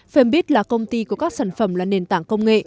fembit là công ty của các sản phẩm là nền tảng công nghệ